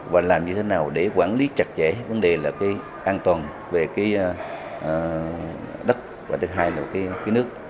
và làm như thế nào để quản lý chặt chẽ vấn đề an toàn về đất và nước